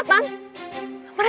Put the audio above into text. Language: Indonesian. mereka pergi bareng